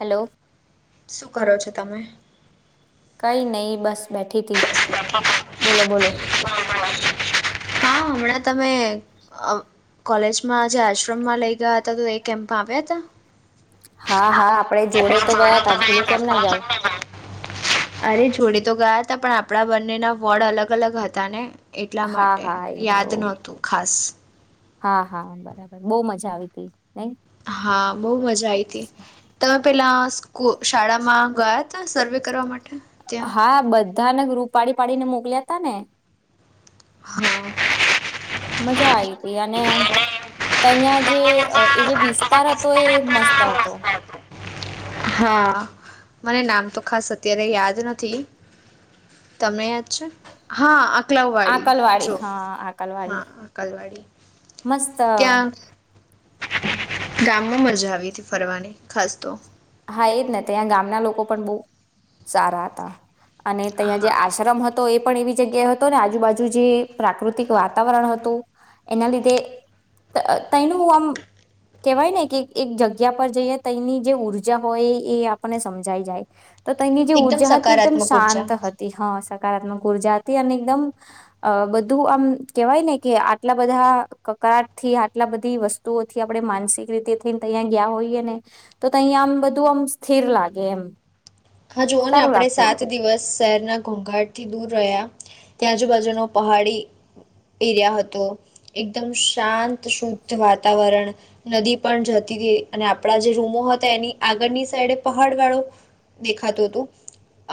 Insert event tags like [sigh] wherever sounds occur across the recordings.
Hello શું કરો છો? તમે કઈ નહી બસ બેઠી તી. લફામ બોલો-બોલો. હમણાં તમે અ. કોલેજમાં જે આશ્રમમાં લઈ ગયા હતા તો એ કેમ્પમાં આવ્યા તા? હા, હા આપણે જોડે તો ગયા તા ભૂલી કેમ ના જાવ. અરે જોડે તો ગયા હતા પણ આપણા બંનેના વોર્ડ અલગ-અલગ હતા ને. એટલા હા માટે. હા એ તો [unintelligible] નોતું ખાસ. હા, હા બરાબર બહુ મજા આવી તી. હા બહુ મજા આઈ તી. તમે પેલા કો શાળામાં ગયા તા સર્વે કરવા માટ હા બધાને ગ્રુપ પાડી પાડીને મોકલ્યા તા ને. હા. મજા આવી ગ અને તહં જે એ જે બ. વિસ્તાર હતો એ મસ્ત હતો. હા મને નામ તો ખાસ અત્યારે યાદ નથી તમે દ છે હા. અકલાવવાડી આકલવાડી જો હા હા આકલવાડી અકલવાડી મસ્ત. ગામ. માં મજા આવી હતી ફરવાની ખાસ તો. હા એજ નથી ત્યાં ગામના લોકો પણ બહ સારા હતા. અને ત્યાં જે હા આશ્રમ હતો. તો એ પણ એવી જગ્યાએ હતો ને આજુબાજુ જે પ્રાકૃતિક વાતાવરણ હતું એના લીધે તનું આમ કેહેવાય ને કે. એક જગ્યા પર જઈએ તેની જે ઉઊર્જા હોય એ આપણને સમજાઈ જાય. તો તેની જે એકદમ ઉર્જા હતી એકદમ સકારાત્મક ઉર્જા શાંત હતી હા. હકારાત્મક ઉર્જા હતી અને એકદમ અ બધું આમ કેહેવાય ને કે આટલા બધા કકરાટ થી આટલા બધી વસ્તુઓથી આપણે માનસિક રીતે. અહીંયા ગયા હોઈએ ને તો અહીંયા આમ બધું આમ સ્થિર લાગે એમ. હા જોુઓ ને સારું આપણે લાગતું હતું. સાત દિવસ શહેરના ઘોંઘાટ થી દૂર રહ્યા. ત્યાં આજુબાજુનો પહાડી એરિયા હતો એકદમ શાંત શુદ્ધ વાતાવરણ નદી પણ જતી હતી અને આપડા જે રૂમો હતા એની આગળની સાઈડે પહાડ વાળો. દેખાતું હતું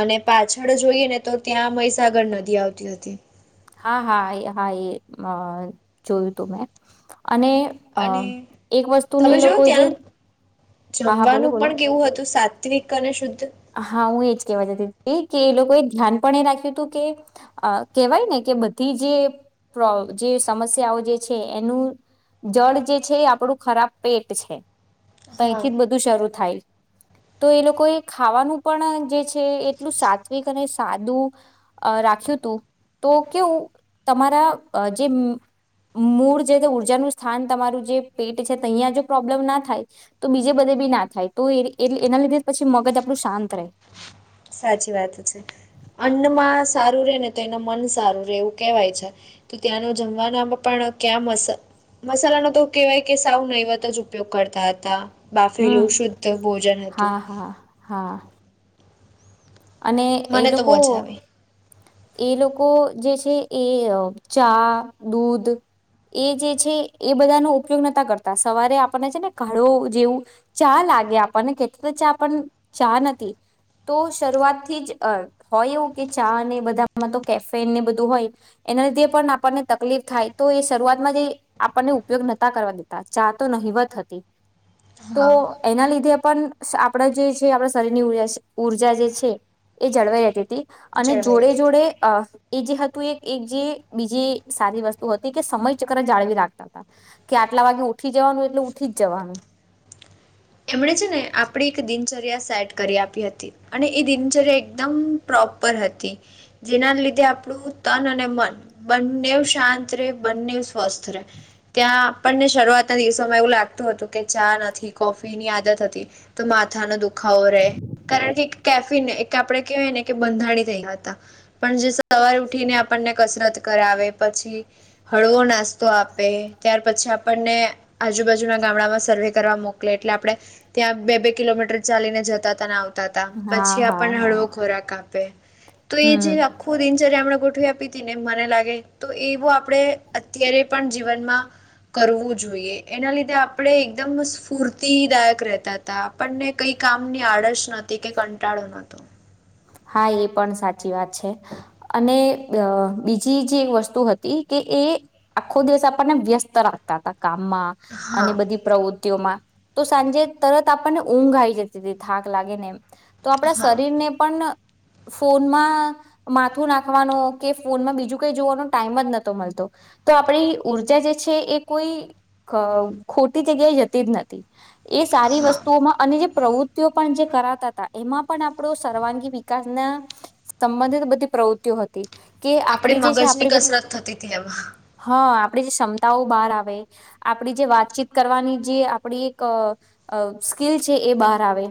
અને પાછળ જોઈએ ને તો ત્યાં મહીસાગર નદી આવતી હતી. હા હા એ હા એ હ જોયું હતું મેં. અને અ અને એક વસ્તુની તમે એ લોકો જોયું જે ત્યાંનું હા હા બોલો જમવાનું બોલો પણ કેવું હતું સાત્વિક અને શુદ્ધ. હા, હું એજ કેવા જતી કે એ લોકોએ ધ્યાન પણ એ રાખ્યું હતું કે અ કેહેવાય ને કે બધી જે પ્રો સમસ્યાઓ જે છે એનું જળ જે છે આપણું ખરાબ પેટ છે. હા. તયથી જ બધું શરૂ થાય. તો એ લોકોએ ખાવાનું પણ જે છે એટલું સાત્વિક અને સાદું અ રાખ્યું હતું તો કેવું તમારા જે અ મ મૂળ જે ઊર્જાનું સ્થાન તમારું જે પેટ છે તહીંયા જો પ્રોબ્લેમ ના થાય તો બીજે બધે બી ના થાય તો એ એના લીધે પછી મગજ આપ ણું શાંત રે. સાચી વાત છે અન્નમાં સ સારું રે ને તો એનું મન સારું રે એવું કહેવાય છે તો ત્યાંનો જમવાનામાં પણ ક્યાં મસ મસાલા નો તો કેહેવાય કે સાવ નૈવત જ ઉપયોગ કરતા હતા. હમ. બાફેલું શુદ્ધ ભોજન હતું. હા હા હા અને એ મને તો લોકો મજા આવી એ લોકો જે છે એ અ ચા દૂધ એ જે છે એ બધાનો ઉપયોગ નતા કરતા સવારે આપણને છે ને કાડો જેવું ચા લાગે આપણને કેતે તો ચા પણ ચા નથી તો શરૂઆત થી જ અ હોય એવું કે ચા ને બધ ધા માં તો કેફે ને બધું હોય એના લીધે પણ આપણને તકલીફ થાય તો એ શરૂઆતમાંથી આપણને ઉપયોગ નતા કરવા દેતા ચા તો નહિવત હતી. તો હા. એના લીધે પણ આપડા જે છે આપણા શરીરની ઉજા ઉર્જા જે છે એ જળવાઈ રહેતી. તી અને જળવાઈ જોડે હતી. જ અ એ જે હતું એક એક જે બીજી સારી વસ્તુ હતી કે સમય ચક્ર જાળવી રાખતા હતા કે આટલા વાગે ઉઠી જવાનું એટલે ઉઠી જ જવાનું. એમણે છે ને આપડી એક દિનચય ર્યા સેટ કરી આપી હતી અને એ દિનચર્યા એકદમ પ્રોપર હતી જેના લીધે આપણું તન અને મન બંને શાંત રે બંને સ્વસ્થ રહે ત્યાં આપણને શરૂઆતના દિવસોમાં એવું લાગતું હતું કે ચા નથી કોફી ની આદત હતી તો માથાનો દુ ખાવો રે કારણ કે કેફ પીને એક આપણે કેવાય ને કે બધાંરણી થઈ ગયા હતા પણ જે સ સવાર ઉઠીને આપણને કસરત કરાવે પછી હળવો નાસ્તો આપે ત્યાર પછી આપણને આજુબાજુના ગામડામાં સર્વે કરવા મોક કલે આપણે ત્યાં બે બે કિલોમીટર ચાલીને જતા ત આવ તા હતા હા પછી આપ હા હળવો હા ખોરાક આપે તો એ જે હમ આખું દિનચર્યા એમણે ગો ઠવી આપી હતી ને મને લાગે તો એવુ આપડે અત્યારે પણ જીવનમાં કરવું જોઈએ એના લીધે આપણે એકદમ શુ પૂર્તિદાયક રહેતા. તા આપણને કઈ કામ ની આડશ નથી કે કંટાળો નથી. હા, એ પણ સાચી વાત છે અને અ બીજી જે વસ્તુ હતી કે એ આખો દિવસ આપણને વ્યસ્ત રાખતા હતા. કામમાં અને હા બધી પ્રવૃત તીઓ માં તો સાંજે તરત આપણને ઊંઘ આઈ જતી હતી થાક લાગે ને એમ. તો આપણા હા શરીરને ફોનમાં માથું નાખવાનો, કે ફોનમાં બીજું કઈ જોવાનો ટાઈમ જ નતો મળતો. તો આપણી ઉઊર્જા જે છે એ કોઈ ક ખોટી જગ્યાએ જતી જ નથી એ સારી વસ્તુઓમાં અને જે પ્રવૃતિઓ પણ જે કરાતા હતા એમાં પણ આપણો સર્વાંગી વિકાસ ના સંબંધિત બધી પ્રવૃત્તિઓ હતી. કે આપડી આપણી જે છે મગજની આપડી બધી કસરત થતી હતી એમાં [unintelligible] હા આપણી જે ક્ષમતાઓ બહાર આવે, આપણી જે વાતચીત કરવાની જે આપણી એક અ અ સ્કીિલ છે એ બહાર આવે.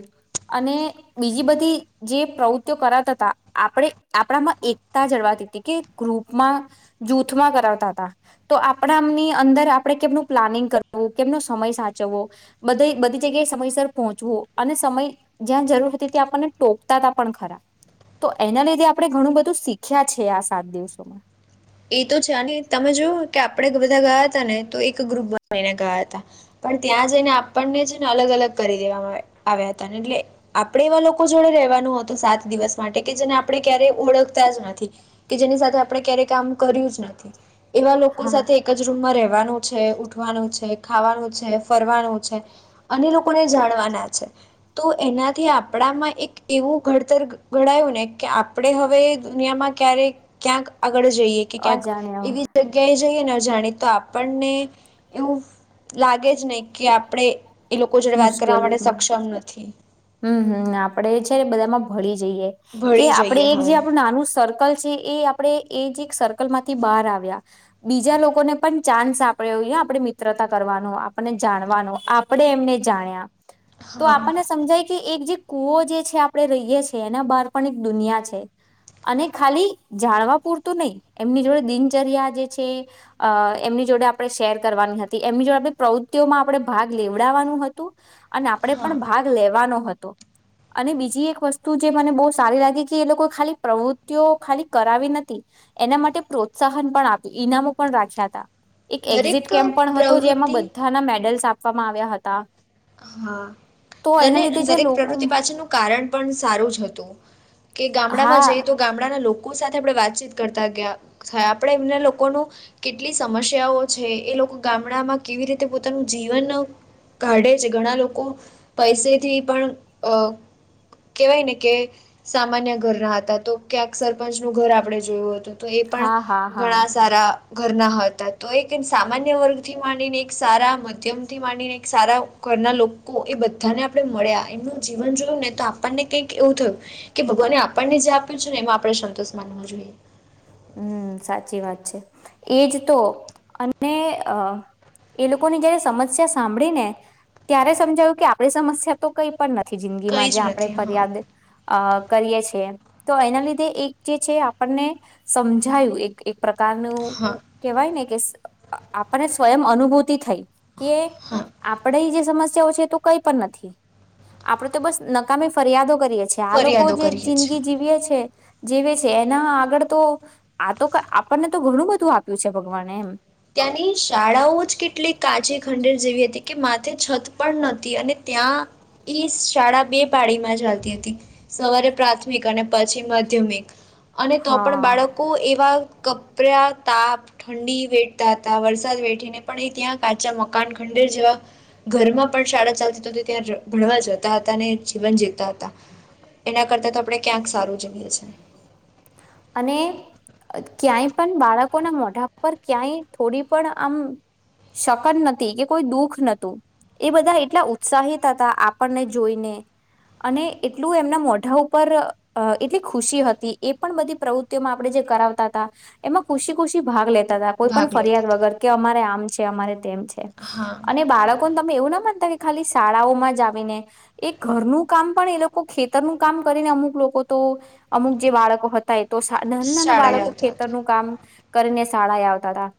અને બીજી બધી જે પ્રવૃત્તિઓ કરાવતા હતા આપણે આપણામાં એકતા જળવાતી હતી. કે ગ્રુપમાં જૂથમાં કરાવતા હતા. તો આપણાની અંદર આપણે કેમનું પ્લાનિંગ કરવું, કેમનો સમય સાચવવો, બધ બધી જગ્યાએ સમયસર પહોંચવો, અને સમય જ્યાં જરૂર હતી ત્યાં આપણને ટોકતા તા પણ ખરા. તો એના લીધે આપણે ઘણું બધું શીખ્યા છે આ સાત દિવસોમાં એ તો છે અને તમે જોયુ કે આપડે બધા ગયા તાને તો એક ગ્રુપ બને ગયા હતા. પણ ત્યાં જઈને આપણને છે ને અલગ અલગ કરી દેવામાં આવે આવ્યા હતા. ને એટલે આપણેે એવા લોકો જોડે રેવાનું હતું સાત દિવસ માટે કે જેને આપણે ક્યારેય ઓળખતા જ નથી. કે જેની સાથે આપણે ક્યારે કામ કર્યું જ નથી એવા લોકો હા, સાથે એક જ રૂમમાં રહેવ રેવાનું છે, ઉઠવાનું છે, ખાવાનું છે, ફરવાનું છે અને લોકોને જાણવાના છે. તો એનાથી આપણામાં એક એવું ઘડતર ઘડાયું ને, કે આપણે હવે દુનિયામાં ક્યારે ક્યાંક આગળ જ કે ક્યાંક અજાણ્યા એવી જગ્યાએ જઈએ ન જાણીતા આપણને એવું લાગે જ નહી કે આપણે એ લોકો જોડે વાત કરવા માટે સક્ષમ નથી. હમ્મ હમ્મ આપડે છે ને બધામાં ભળી જઈએ કે ભળી આપણેે જઈએ એક હવે જે આપણું નાનું સર્કલ છે, એ આપણે એ જ એક સર્કલ માંથી બહાર આવ્યા. બીજા લોકોને પણ ચાન્સ આપણે હો ને આપણે મિત્રતા કરવાનો, આપણને જાણવાનો, આપણેે એમને જાણ્યા તો હા આપણને સમજાય એક જે કુવો જે છે આપણે રહીએ છીએ. એના બહાર પણ એક દુનિયા છે. અને ખાલી જાણવા પૂરતું નહી, એમની જોડે દિનચર્યા જે છે, અ એમની જોડે આપણે શેર કરવાની હતી. એમની જોડે આપણી પ્રવૃતિઓમાં આપણે ભાગ લેવડાવવાનું હતું અને આપડે હા પણ ભાગ લેવાનો હતો અને બીજી એક વસ્તુ જે મને બહુ સારી લાગી. કે એ લોકો ખાલી પ્રવૃત્તિઓ ખાલી કરાવી નથી. એના માટે પ્રોત્સાહન પણ આપ્યું. ઈનામો પણ રાખ્યા હતા. એક એક્ઝિટ દરેક કેમ્પ પણ હતો જેમાં પ્રવૃત્તિ બધાના મેડલ્સ આપ આપવામાં આવ્યા હતા. હા તો એના અને લીધે જે દરેક લોકો પ્રવૃતિ પાછળનું કારણ પણ સારું જ હતું. કે ગામડામાં હા જઈ તો ગામડાના લોક કો સાથે આપણે વાતચીત કરતા ગયા. હા આપણે એમના લોકોનું કેટલી સમસ્યાઓ છે, એ લોકો ગામડામાં કેવી રીતે પોતાનું જીવન કાઢે છે ઘણા લોકો પૈસેથી પણ અ કેવાય ને કે સામાન્ય ઘરના હતા. તો ક્યાંક સરપંચ નું ઘર આપણે જોયું હતું તો એ પણ હા હા હા ઘણા સારા ઘરના હતા. તો એક સામાન્ય વર્ગથી માંડીને, એક સારા મધ્યમથી માંડીને, એક સારા ઘરના લોકો એ બધાને આપણે મળ્યા. એમનું જીવન જોયું ને તો આપણને કંઈક એવું થયું, કે ભગવાને આપણને જે આપ્યું છે ને એમાં આપણે સંતોષ માનવા જોઈએ. હમ સાચી વાત છે. એજ તો અને અ એ લોકોની જયારે સમસ્યા સાંભળી ને. ત્યારે સમજાયું કે આપડી સમસ્યા તો કઈ પણ નથી કઈ જિંદગીમાં જ જે આપણે નથી હા ફરિયાદ અ કરીએ છે. તો એના લીધે એક જે છે આપણને સમજાયું એક‌‌ એક પ્રકારનું હા કેહેવાય ને સે આપને સ્વયં અનુભૂતિ થઈ કે હા આપણે જે સમસ્યો છે ક પણ નથી આપણે તો બસ નકામી ફરિયાદો કરીએ છી આ લોકો ફરિયાદો જે કરીએ છીએ જિંદગી જીવીએ છે જીવે છે એના આગળ તો આ તો આપણને તો ઘણું બધું આપ્યું છે ભગવાને એમ ત્યાંની શાળાઓ જ કેટલી કાચી ખંડેર જેવી હતી કે માથે છત પણ નતી અને ત્યાં ઈ શાળા બે પાડીમાં ચાલતી હતી સવારે પ્રાથમિક અને પછી માધ્યમિક અને તો પણ હા બાળકો એવા કપડ્યા તાપ ઠંડી વેટ હતા વરસાદ વેઠીને પણ એ ત્યાં કાચા મકાન ખંડેર જેવા ઘરમાં પણ શાળા ચાલતી ત્યાં ભણવા જતા હતા અને જીવન જીવતા હતા એના કરતા તો આપણે ક્યાંક સારું જેવુ અને ક્યાંય પણ બાળકોના મોઢા પર ક્યાંય થોડી પણ આમ શકન નતી કે કોઈ દુઃખ નતું એ બધા એટલા ઉત્સાહિત હતા આપણને જોઈને અને એટલું એમના મોઢા ઉપર અ એટલી ખુશી હતી એ પણ બધી પ્રવૃત્તિઓમાં આપણે જે કરાવતા હતા એમાં ખુશી ખુશી ભાગ લે લેતા હતા કોઈ પણ ભાગ લેતા ફરિયાદ હતા વગર કે અમારે આમ છે અમારે તેમ છે હા અને બાળકોને તમે એવું ના માનતા ખાલી શાળાઓમાં જ આવીને એ ઘરનું કામ પણ એ લોકો ખેતરનું કામ કરીને અમુક લોકો તો અમુક જે બાળકો હતા તો નાના નાના શાળાએ બાળકો આવતા હતા ખેતરનું કામ કરીને શાળાએ આવતા હતા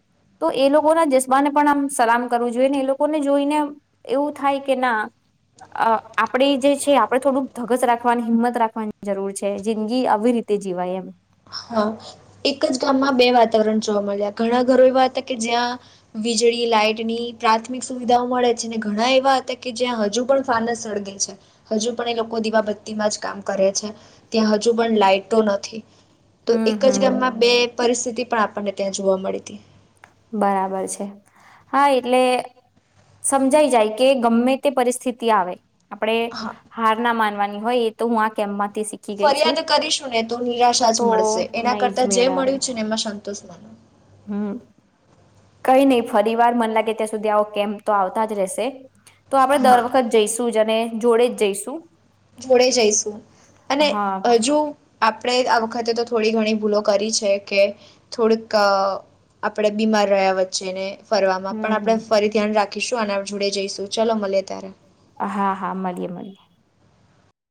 તો એ લોકોના જઝ્બાને પણ આમ સલામ કરવું જોઈએ ને એ લોકોને જોઈને એવું થાય કે ના અ આપણેે જે છે આપણે થોડુંક ધગસ રાખવાની હિંમત રાખવા જરૂર છે જિંદગી આવી રીતે જીવાય એમ હા એક જ ગામમાં બે વાતાવરણ જોવા મળ્યા ઘણા ઘરો એવા હતા કે જ્યાં વીજળી લાઈટની પ્રાથમિક સુવિધાઓ મળે છે ને ઘણા એવા હતા કે જ્યાં હજુ પણ ફાનસ સળગે છે હજુ પણ એ લોકો દીવા બત્તીમાં જ કામ કરે છે ત્યાં હજુ પણ લાાઈટો નથી તો હમ એક જ હમ ગામમાં બે પરિસ્થિતિ પણ આપણને ત્યાં જોવા મળી હતી બરાબર છે હા એટલે સમજાઈ જાય કે ગમે તે પરિસ્થિતિ આવે આપણેે હા હાર ના માનવાની હોય એ તો હું આ કેમા ફરિયાદ કરીશું ને તો નિરાશા જ તો મળશે એના નહી જ કરતા જે મેળ આવે મળ્યું છે ને એમાં સ તોસ વાનો હમ કઈ નહી ફરી વાર મન લાગે ત્યાં સુધી આવો કેમ્પ તો આવતા જ રહેશે તો આપડણે દર હા વખત જઈશું જ અને જોડે જ જઈશું જોડે જઈશું અને હા હજુ આપ આપણે આ વખતે તો થોડી ઘણી ભૂલો કરી છે કે થોડીક આપણે બીમાર રહ્યા વચ્ચેને ફરવામાં પણ હમ આપણે હમ ફરી ધ્યાન રાખી રાખીશું અને જોડે જઈશું ચલો મળીયે ત્યારે હા હા મળીએ મળીએ